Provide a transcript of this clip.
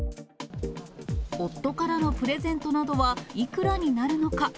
夫からのプレゼントなどはいくらになるのか。